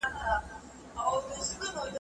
موږ په پاکوالي کولو بوخت یو.